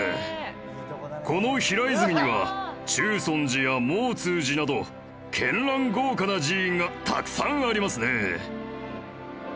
この平泉には中尊寺や毛越寺など絢爛豪華な寺院がたくさんありますね。